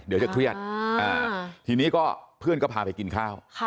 เดี๋ยวจะเครียดทีนี้ก็เพื่อนก็พาไปกินข้าว